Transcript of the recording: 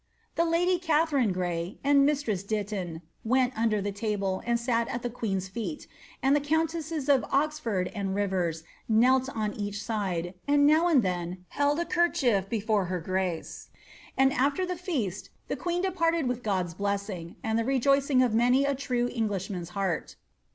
'■ The lady Catherine Grey, and mifi ima Diiton, went under the table, and sal at ilie queen's Teet, and ihik tnunicMoa of Oxford ' and Rireis knelt on eacli side, and now and ibeq Krld a kerrliief before her grace. Anil aAer the feaat the queen depariei ■iiit God'a blessing, aud ihe rejoicing of many a true Englishmaalf Lwrt."'